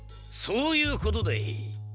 そういうことでい！